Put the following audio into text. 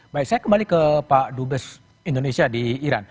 baik saya kembali ke pak dubes indonesia di iran